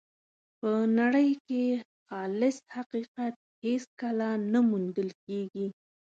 په نړۍ کې خالص حقیقت هېڅکله نه موندل کېږي.